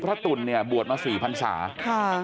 พระตุ๋นบวชมา๔พันศาค่ะ